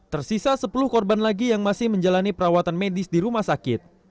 tersisa sepuluh korban lagi yang masih menjalani perawatan medis di rumah sakit